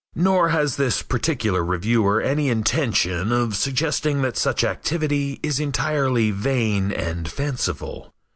Nor has this particular reviewer any intention of suggesting that such activity is entirely vain and fanciful.